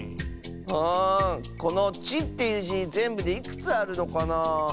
あこの「ち」っていうじぜんぶでいくつあるのかな？